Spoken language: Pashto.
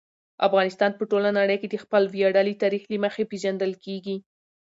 افغانستان په ټوله نړۍ کې د خپل ویاړلي تاریخ له مخې پېژندل کېږي.